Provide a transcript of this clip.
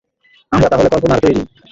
আমরা তাহলে কল্পনার তৈরি!